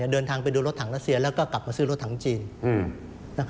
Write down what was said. เดินทางไปดูรถถังรัสเซียแล้วก็กลับมาซื้อรถถังจีน